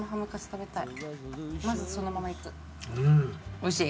おいしい？